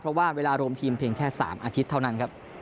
เพราะเวลาโรหมทีมเพียงแค่๓อาทิตย์เท่านั้น